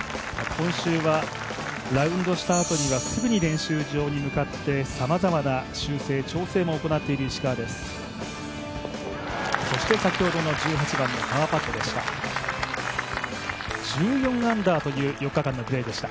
今週はラウンドしたあとはすぐに練習場に向かってさまざまな修正、調整も行っている石川です。